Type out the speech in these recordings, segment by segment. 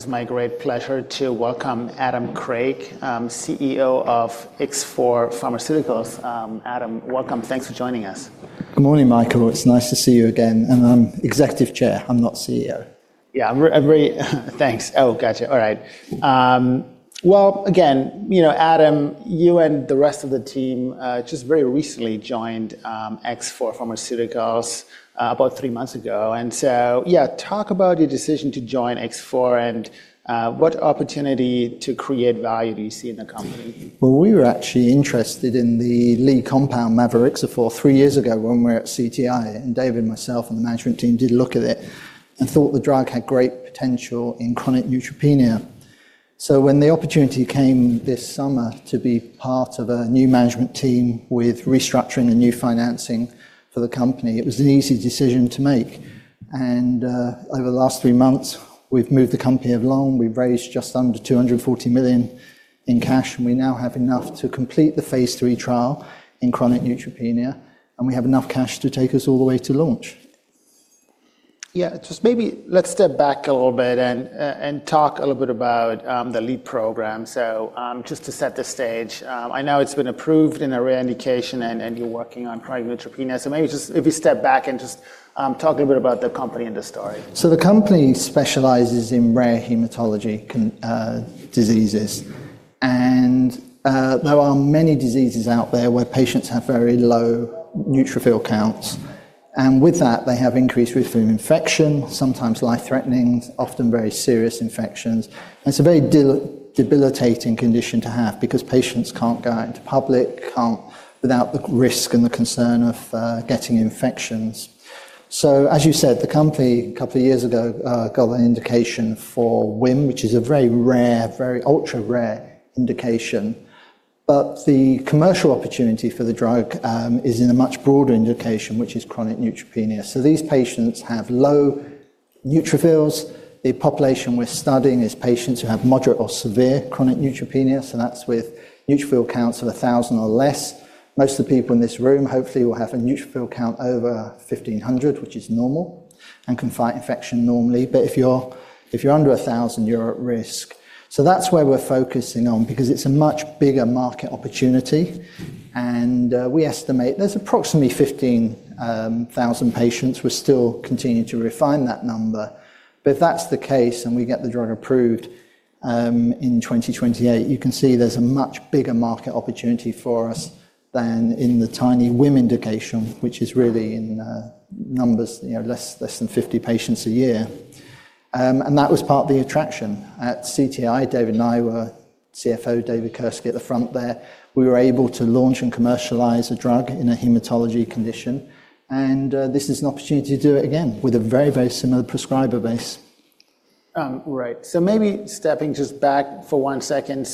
It's my great pleasure to welcome Adam Craig, CEO of X4 Pharmaceuticals. Adam, welcome. Thanks for joining us. Good morning, Michael. It's nice to see you again. I'm Executive Chair. I'm not CEO. Yeah, I'm very—thanks. Oh, gotcha. All right. Again, you know, Adam, you and the rest of the team just very recently joined X4 Pharmaceuticals about three months ago. Yeah, talk about your decision to join X4 and what opportunity to create value do you see in the company? We were actually interested in the lead compound mavorixafor three years ago when we were at CTI BioPharma. David, myself, and the management team did look at it and thought the drug had great potential in chronic neutropenia. When the opportunity came this summer to be part of a new management team with restructuring and new financing for the company, it was an easy decision to make. Over the last three months, we've moved the company along. We've raised just under $240 million in cash, and we now have enough to complete the phase III trial in chronic neutropenia. We have enough cash to take us all the way to launch. Yeah, just maybe let's step back a little bit and talk a little bit about the lead program. Just to set the stage, I know it's been approved in a rare indication, and you're working on chronic neutropenia. Maybe just if you step back and just talk a little bit about the company and the story. The company specializes in rare hematology diseases. There are many diseases out there where patients have very low neutrophil counts. With that, they have increased risk of infection, sometimes life-threatening, often very serious infections. It is a very debilitating condition to have because patients cannot go out into public, cannot without the risk and the concern of getting infections. As you said, the company a couple of years ago got an indication for WHIM, which is a very rare, very ultra-rare indication. The commercial opportunity for the drug is in a much broader indication, which is chronic neutropenia. These patients have low neutrophils. The population we are studying is patients who have moderate or severe chronic neutropenia. That is with neutrophil counts of 1,000 or less. Most of the people in this room hopefully will have a neutrophil count over 1,500, which is normal, and can fight infection normally. If you're under 1,000, you're at risk. That's where we're focusing on because it's a much bigger market opportunity. We estimate there's approximately 15,000 patients. We're still continuing to refine that number. If that's the case and we get the drug approved in 2028, you can see there's a much bigger market opportunity for us than in the tiny WHIM indication, which is really in numbers, you know, less than 50 patients a year. That was part of the attraction at CTI. David and I were CFO, David Kursky, at the front there. We were able to launch and commercialize a drug in a hematology condition. This is an opportunity to do it again with a very, very similar prescriber base. Right. So maybe stepping just back for one second.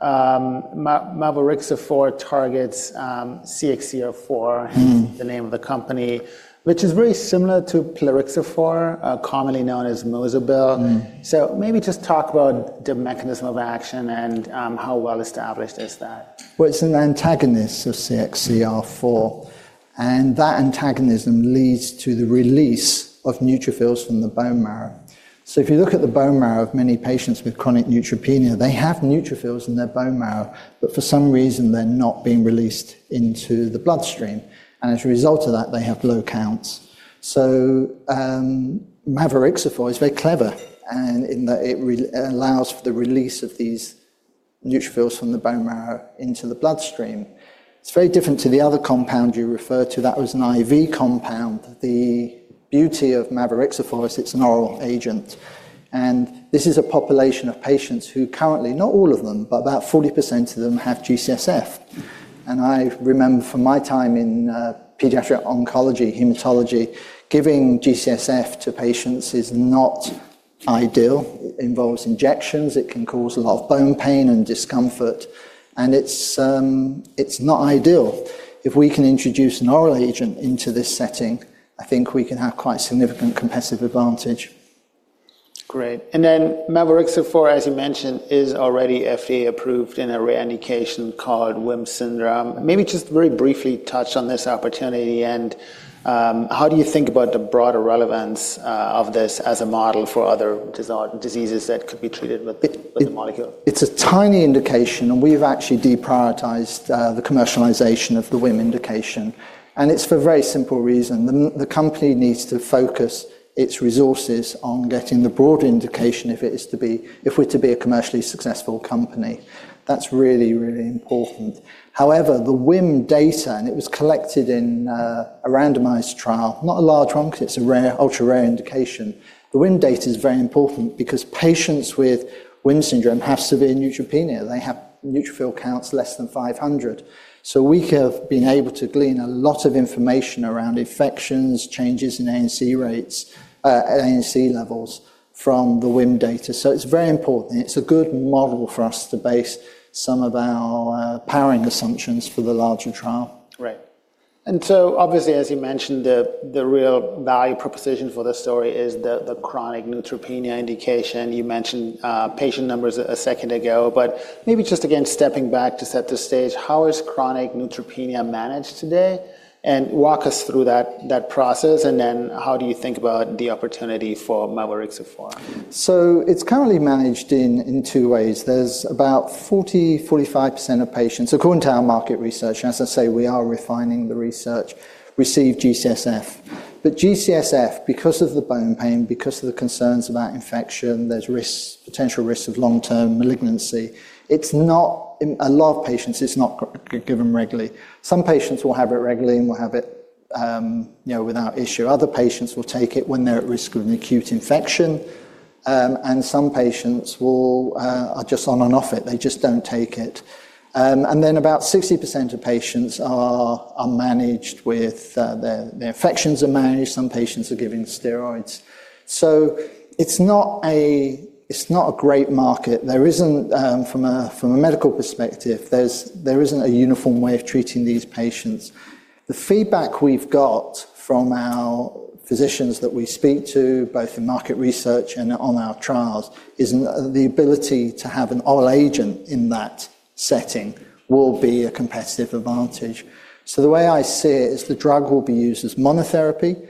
Mavorixafor targets CXCR4, the name of the company, which is very similar to plerixafor, commonly known as Mozobil. Maybe just talk about the mechanism of action and how well established is that. It's an antagonist of CXCR4. That antagonism leads to the release of neutrophils from the bone marrow. If you look at the bone marrow of many patients with chronic neutropenia, they have neutrophils in their bone marrow. For some reason, they're not being released into the bloodstream. As a result of that, they have low counts. Mavorixafor is very clever in that it allows for the release of these neutrophils from the bone marrow into the bloodstream. It's very different to the other compound you refer to. That was an IV compound. The beauty of mavorixafor is it's an oral agent. This is a population of patients who currently, not all of them, but about 40% of them have G-CSF. I remember from my time in pediatric oncology, hematology, giving G-CSF to patients is not ideal. It involves injections. It can cause a lot of bone pain and discomfort. It's not ideal. If we can introduce an oral agent into this setting, I think we can have quite a significant competitive advantage. Great. Mavorixafor, as you mentioned, is already FDA approved in a rare indication called WHIM syndrome. Maybe just very briefly touch on this opportunity. How do you think about the broader relevance of this as a model for other diseases that could be treated with the molecule? It's a tiny indication. We've actually deprioritized the commercialization of the WHIM indication. It's for a very simple reason. The company needs to focus its resources on getting the broader indication if it is to be, if we're to be, a commercially successful company. That's really, really important. However, the WHIM data, and it was collected in a randomized trial, not a large one because it's a rare, ultra-rare indication. The WHIM data is very important because patients with WHIM syndrome have severe neutropenia. They have neutrophil counts less than 500. We have been able to glean a lot of information around infections, changes in ANC rates, ANC levels from the WHIM data. It's very important. It's a good model for us to base some of our powering assumptions for the larger trial. Right. Obviously, as you mentioned, the real value proposition for the story is the chronic neutropenia indication. You mentioned patient numbers a second ago. Maybe just again, stepping back to set the stage, how is chronic neutropenia managed today? Walk us through that process. How do you think about the opportunity for mavorixafor? It's currently managed in two ways. There's about 40-45% of patients, according to our market research, as I say, we are refining the research, receive G-CSF. G-CSF, because of the bone pain, because of the concerns about infection, there's risk, potential risk of long-term malignancy. It's not a lot of patients, it's not given regularly. Some patients will have it regularly and will have it without issue. Other patients will take it when they're at risk of an acute infection. Some patients are just on and off it. They just don't take it. About 60% of patients are managed with their infections are managed. Some patients are given steroids. It's not a great market. There isn't, from a medical perspective, there isn't a uniform way of treating these patients. The feedback we've got from our physicians that we speak to, both in market research and on our trials, is the ability to have an oral agent in that setting will be a competitive advantage. The way I see it is the drug will be used as monotherapy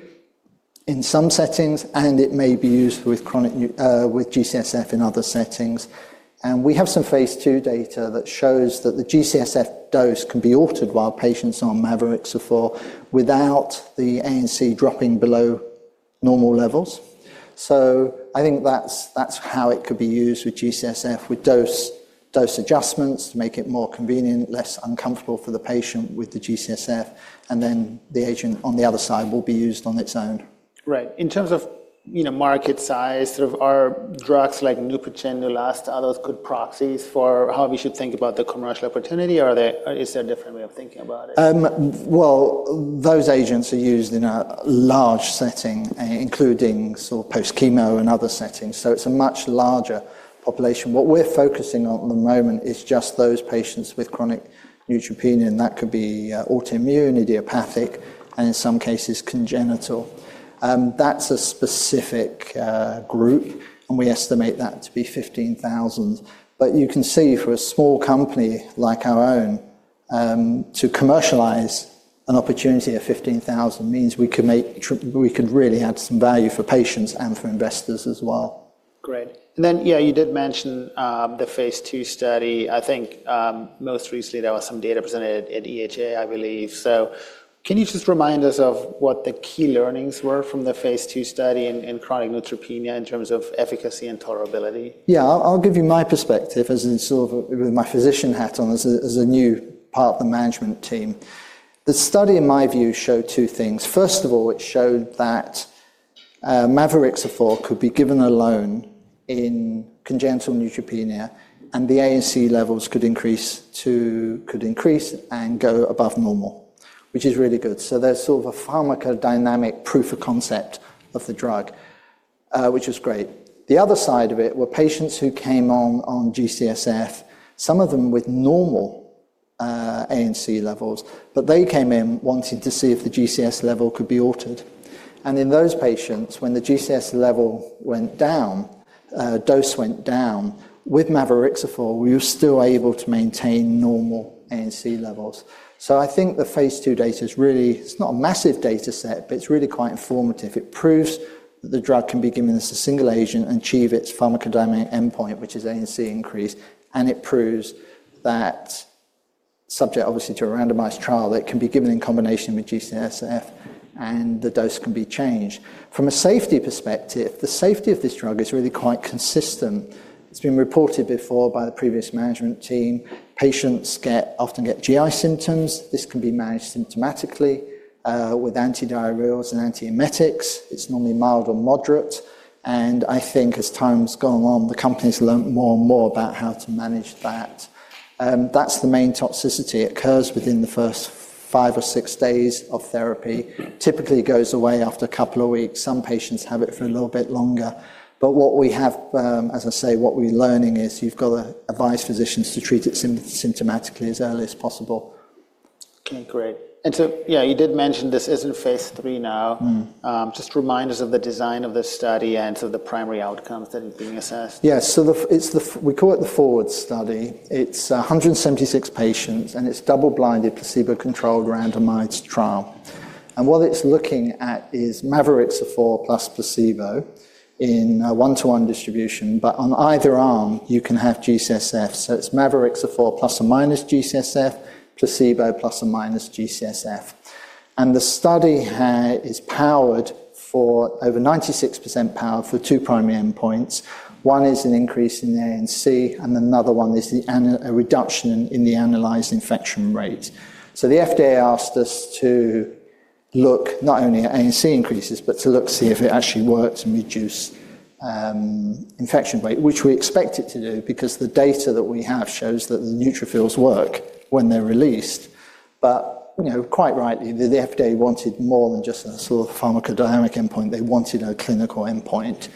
in some settings, and it may be used with G-CSF in other settings. We have some phase II data that shows that the G-CSF dose can be altered while patients are on mavorixafor without the ANC dropping below normal levels. I think that's how it could be used with G-CSF, with dose adjustments to make it more convenient, less uncomfortable for the patient with the G-CSF. The agent on the other side will be used on its own. Right. In terms of market size, sort of are drugs like Neupogen, like other good proxies for how we should think about the commercial opportunity? Or is there a different way of thinking about it? Those agents are used in a large setting, including sort of post-chemo and other settings. It is a much larger population. What we're focusing on at the moment is just those patients with chronic neutropenia. That could be autoimmune, idiopathic, and in some cases, congenital. That is a specific group. We estimate that to be 15,000. You can see for a small company like our own, to commercialize an opportunity of 15,000 means we could really add some value for patients and for investors as well. Great. Yeah, you did mention the phase II study. I think most recently there were some data presented at EHA, I believe. Can you just remind us of what the key learnings were from the phase II study in chronic neutropenia in terms of efficacy and tolerability? Yeah, I'll give you my perspective as in sort of with my physician hat on as a new part of the management team. The study, in my view, showed two things. First of all, it showed that mavorixafor could be given alone in congenital neutropenia, and the ANC levels could increase and go above normal, which is really good. There is sort of a pharmacodynamic proof of concept of the drug, which was great. The other side of it were patients who came on G-CSF, some of them with normal ANC levels, but they came in wanting to see if the G-CSF level could be altered. In those patients, when the G-CSF dose went down with mavorixafor, we were still able to maintain normal ANC levels. I think the phase II data is really, it's not a massive data set, but it's really quite informative. It proves that the drug can be given as a single agent and achieve its pharmacodynamic endpoint, which is ANC increase. It proves that, subject obviously to a randomized trial, it can be given in combination with G-CSF, and the dose can be changed. From a safety perspective, the safety of this drug is really quite consistent. It's been reported before by the previous management team. Patients often get GI symptoms. This can be managed symptomatically with antidiarrheals and antiemetics. It's normally mild or moderate. I think as time's gone on, the company has learned more and more about how to manage that. That's the main toxicity. It occurs within the first five or six days of therapy. Typically, it goes away after a couple of weeks. Some patients have it for a little bit longer. What we have, as I say, what we're learning is you've got to advise physicians to treat it symptomatically as early as possible. Okay, great. Yeah, you did mention this is in phase III now. Just remind us of the design of this study and sort of the primary outcomes that are being assessed. Yeah, so it's the, we call it the 4WARD Study. It's 176 patients, and it's double-blinded, placebo-controlled, randomized trial. What it's looking at is mavorixafor plus placebo in a one-to-one distribution. On either arm, you can have G-CSF. So it's mavorixafor plus or minus G-CSF, placebo plus or minus G-CSF. The study is powered for over 96% power for two primary endpoints. One is an increase in the ANC, and another one is a reduction in the Annualized Infection Rate. The FDA asked us to look not only at ANC increases, but to look to see if it actually works and reduces infection rate, which we expect it to do because the data that we have shows that the neutrophils work when they're released. Quite rightly, the FDA wanted more than just a sort of pharmacodynamic endpoint. They wanted a clinical endpoint.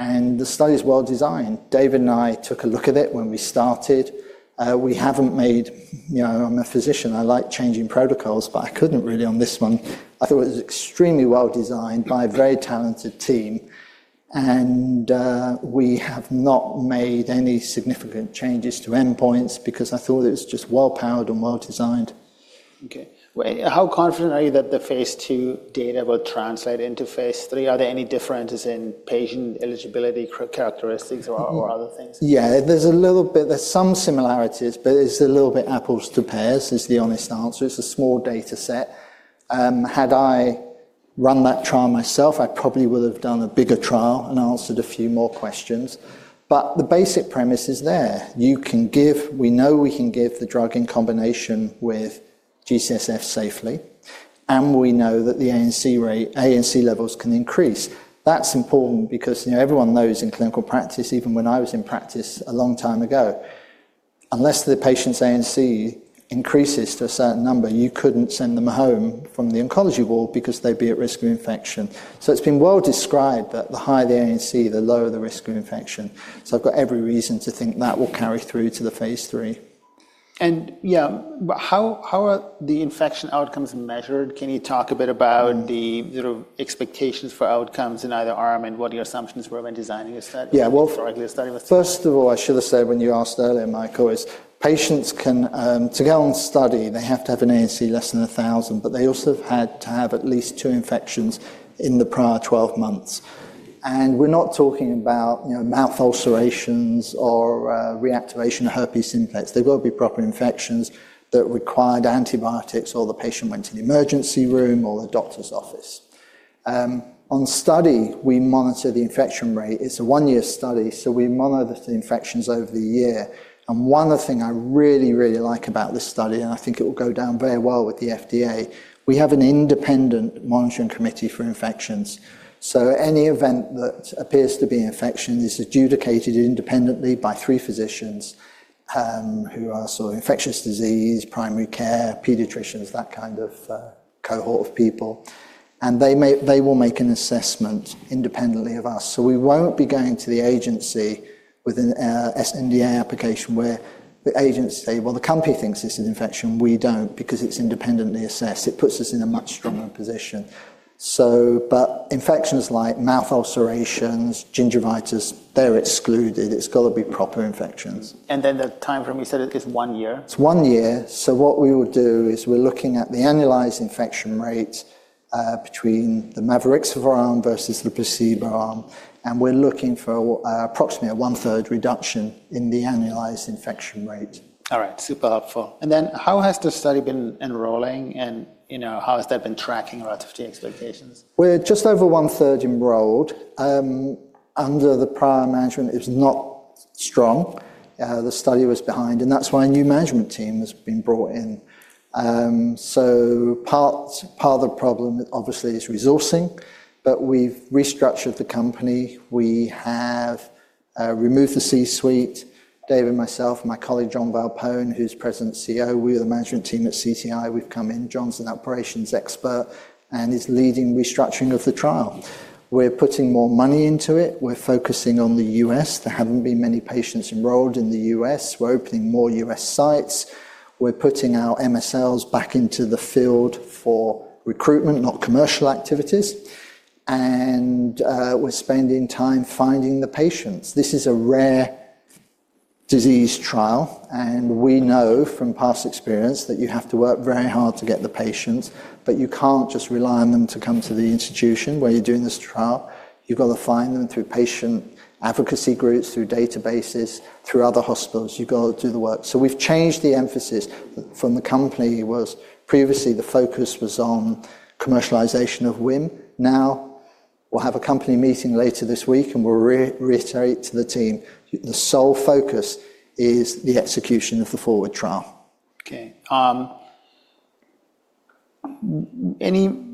The study is well designed. David and I took a look at it when we started. We have not made—I'm a physician. I like changing protocols, but I could not really on this one. I thought it was extremely well designed by a very talented team. We have not made any significant changes to endpoints because I thought it was just well powered and well designed. Okay. How confident are you that the phase III data will translate into phase III? Are there any differences in patient eligibility characteristics or other things? Yeah, there's a little bit, there's some similarities, but it's a little bit apples to pears, is the honest answer. It's a small data set. Had I run that trial myself, I probably would have done a bigger trial and answered a few more questions. But the basic premise is there. You can give, we know we can give the drug in combination with G-CSF safely. And we know that the ANC levels can increase. That's important because everyone knows in clinical practice, even when I was in practice a long time ago, unless the patient's ANC increases to a certain number, you couldn't send them home from the oncology ward because they'd be at risk of infection. It's been well described that the higher the ANC, the lower the risk of infection. I've got every reason to think that will carry through to the phase III. Yeah, how are the infection outcomes measured? Can you talk a bit about the sort of expectations for outcomes in either arm and what your assumptions were when designing a study? Yeah, first of all, I should have said when you asked earlier, Michael, is patients can to go on study, they have to have an ANC less than 1,000, but they also have had to have at least two infections in the prior 12 months. We're not talking about mouth ulcerations or reactivation of herpes simplex. They've got to be proper infections that required antibiotics or the patient went to the emergency room or the doctor's office. On study, we monitor the infection rate. It's a one-year study. We monitor the infections over the year. One of the things I really, really like about this study, and I think it will go down very well with the FDA, we have an Independent Monitoring Committee for infections. Any event that appears to be an infection is adjudicated independently by three physicians who are sort of infectious disease, primary care, pediatricians, that kind of cohort of people. They will make an assessment independently of us. We will not be going to the agency with an NDA application where the agency says, well, the company thinks this is an infection. We do not because it is independently assessed. It puts us in a much stronger position. Infections like mouth ulcerations, gingivitis, they are excluded. It has got to be proper infections. The time frame, you said, is one year? It's one year. What we will do is we're looking at the Annualized Infection Rate between the mavorixafor arm versus the placebo arm. We're looking for approximately a one-third reduction in the Annualized Infection Rate. All right, super helpful. How has the study been enrolling? How has that been tracking relative to expectations? We're just over one-third enrolled. Under the prior management, it was not strong. The study was behind. That's why a new management team has been brought in. Part of the problem, obviously, is resourcing. We've restructured the company. We have removed the C-suite. David and myself, my colleague John Valpone, who's President and CEO, we are the management team at X4 Pharmaceuticals. We've come in. John's an operations expert and is leading restructuring of the trial. We're putting more money into it. We're focusing on the US. There haven't been many patients enrolled in the US. We're opening more U.S. sites. We're putting our MSLs back into the field for recruitment, not commercial activities. We're spending time finding the patients. This is a rare disease trial. We know from past experience that you have to work very hard to get the patients. You can't just rely on them to come to the institution where you're doing this trial. You've got to find them through patient advocacy groups, through databases, through other hospitals. You've got to do the work. We've changed the emphasis. From the company, previously, the focus was on commercialization of WHIM. Now, we'll have a company meeting later this week, and we'll reiterate to the team, the sole focus is the execution of the 4WARD Trial. Okay.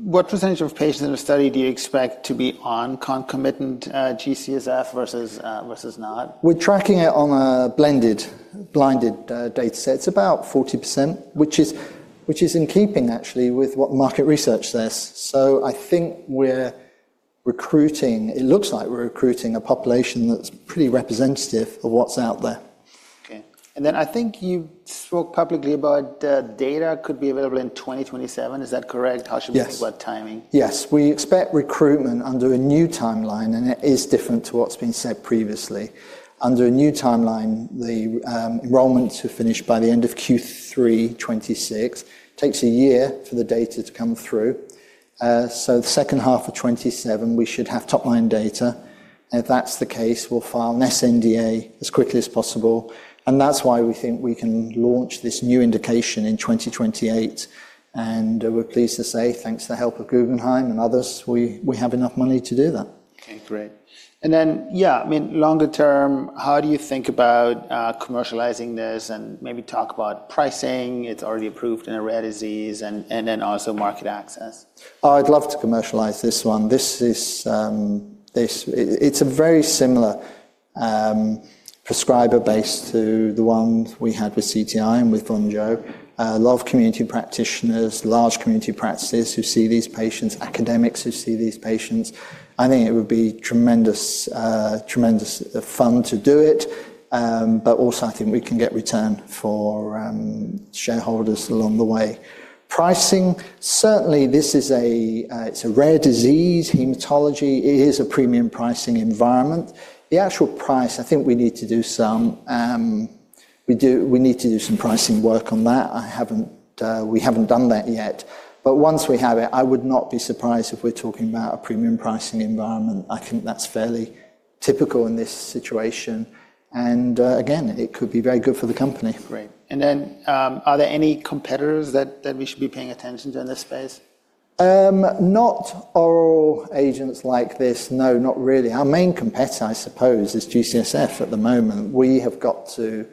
What percentage of patients in the study do you expect to be on concomitant G-CSF versus not? We're tracking it on a blended data set. It's about 40%, which is in keeping, actually, with what market research says. I think we're recruiting, it looks like we're recruiting a population that's pretty representative of what's out there. Okay. I think you spoke publicly about data could be available in 2027. Is that correct? How should we think about timing? Yes, we expect recruitment under a new timeline. It is different to what's been said previously. Under a new timeline, the enrollment to finish by the end of Q3 2026 takes a year for the data to come through. The second half of 2027, we should have top-line data. If that's the case, we'll file an SNDA as quickly as possible. That is why we think we can launch this new indication in 2028. We're pleased to say, thanks to the help of Guggenheim and others, we have enough money to do that. Okay, great. Yeah, I mean, longer term, how do you think about commercializing this and maybe talk about pricing? It's already approved in a rare disease. Also, market access. I'd love to commercialize this one. It's a very similar prescriber base to the one we had with CTI and with Bendeka. A lot of community practitioners, large community practices who see these patients, academics who see these patients. I think it would be tremendous fun to do it. I think we can get return for shareholders along the way. Pricing, certainly, this is a rare disease. Hematology, it is a premium pricing environment. The actual price, I think we need to do some pricing work on that. We haven't done that yet. Once we have it, I would not be surprised if we're talking about a premium pricing environment. I think that's fairly typical in this situation. It could be very good for the company. Great. Are there any competitors that we should be paying attention to in this space? Not oral agents like this, no, not really. Our main competitor, I suppose, is G-CSF at the moment. We have got to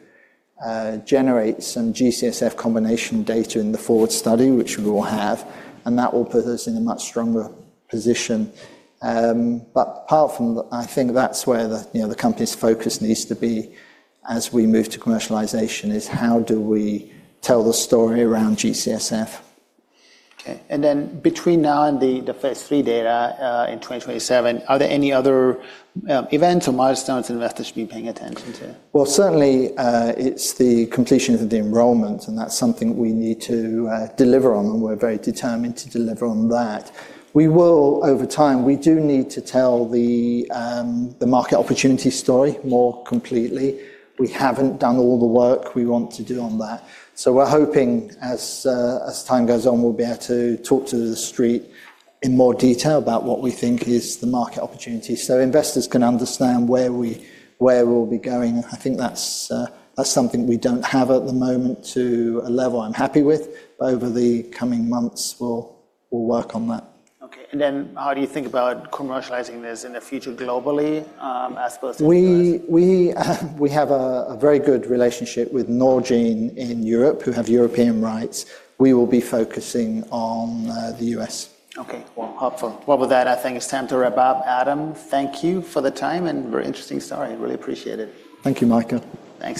generate some G-CSF combination data in the 4WARD Study, which we will have. That will put us in a much stronger position. Apart from that, I think that's where the company's focus needs to be as we move to commercialization is how do we tell the story around G-CSF. Okay. Between now and the phase III data in 2027, are there any other events or milestones investors should be paying attention to? It is the completion of the enrollment. That is something we need to deliver on, and we are very determined to deliver on that. Over time, we do need to tell the market opportunity story more completely. We have not done all the work we want to do on that. As time goes on, we are hoping we will be able to talk to the street in more detail about what we think is the market opportunity so investors can understand where we will be going. I think that is something we do not have at the moment to a level I am happy with. Over the coming months, we will work on that. Okay. How do you think about commercializing this in the future globally as opposed to? We have a very good relationship with Norgine in Europe who have European rights. We will be focusing on the US. Okay, helpful. With that, I think it's time to wrap up. Adam, thank you for the time and very interesting story. Really appreciate it. Thank you, Michael. Thanks.